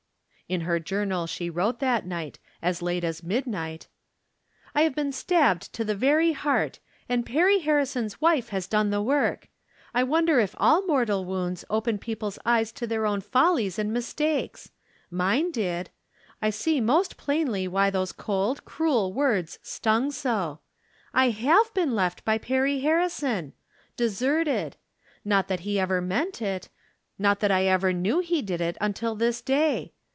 In her journal she wrote that night, as late as midnight : I have been stabbed to the very heart, and Perry Harrison's wife has done the work. I wonder if all mortal wounds open people's eyes From Different Standpoints. 177 to their own follies and mistakes ? Mine did. I see most plainly why those cold, cruel words stung so. I have been left by Perry Harrison ! Deserted ! Not that he ever meant it — not that I ever knew he did it until this day.